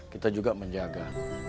kita juga menjaga